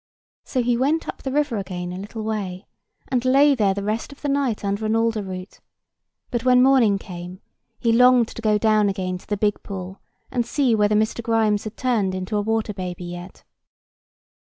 So he went up the river again a little way, and lay there the rest of the night under an alder root; but, when morning came, he longed to go down again to the big pool, and see whether Mr. Grimes had turned into a water baby yet.